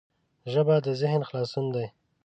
ژبه د ذهن خلاصون دی